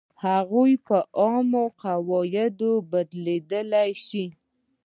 هغوی په عامې قاعدې بدلېدلی شوې.